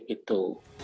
gak gaib itu